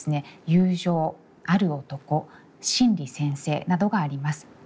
「友情」「或る男」「真理先生」などがあります。